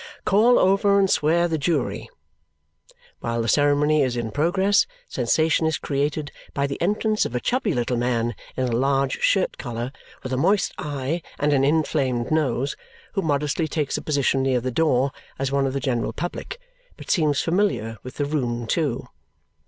Call over and swear the jury! While the ceremony is in progress, sensation is created by the entrance of a chubby little man in a large shirt collar, with a moist eye and an inflamed nose, who modestly takes a position near the door as one of the general public, but seems familiar with the room too.